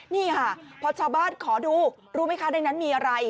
นี่ค่ะพอชาวบ้านขอดูรู้ไหมคะในนั้นมีอะไร